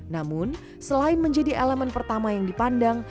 namun selain menjadi elemen pertama yang dipandang